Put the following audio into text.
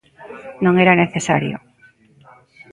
Non era necesario.